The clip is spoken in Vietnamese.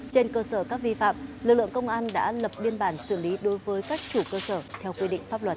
trên cơ sở các vi phạm lực lượng công an đã lập biên bản xử lý đối với các chủ cơ sở theo quy định pháp luật